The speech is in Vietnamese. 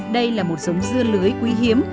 đây là một giống dưa lưới quý hiếm